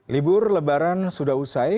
libur lebaran sudah usai